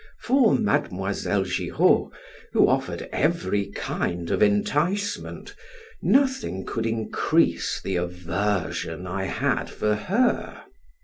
For Mademoiselle Giraud, who offered every kind of enticement, nothing could increase the aversion I had for her.